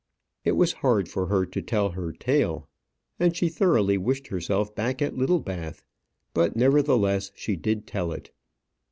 It was hard for her to tell her tale; and she thoroughly wished herself back at Littlebath; but, nevertheless, she did tell it.